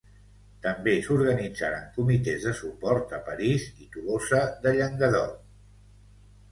També s'organitzaren comitès de suport a París i Tolosa de Llenguadoc.